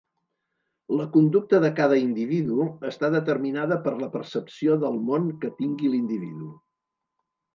La conducta de cada individu està determinada per la percepció del món que tingui l'individu.